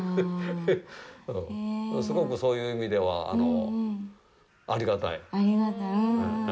すごく、そういう意味ではありがたい。